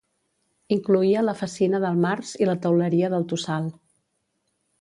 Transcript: Incloïa la Fassina del Març i la Teuleria del Tossal.